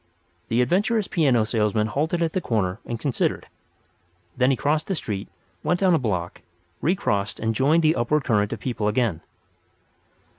The adventurous piano salesman halted at the corner and considered. Then he crossed the street, walked down a block, recrossed and joined the upward current of people again.